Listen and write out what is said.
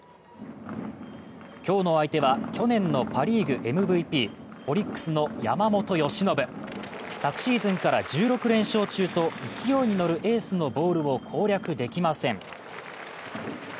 今日の相手は、去年のパ・リーグМＶＰ、オリックスの山本由伸。昨シーズンから１６連勝中と勢いに乗るエースのボールを攻略できません。